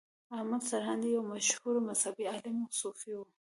احمد سرهندي یو مشهور مذهبي عالم او صوفي و.